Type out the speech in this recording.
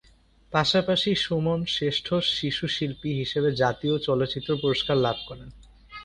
পাশাপাশি সুমন শ্রেষ্ঠ শিশুশিল্পী হিসেবে জাতীয় চলচ্চিত্র পুরস্কার লাভ করেন।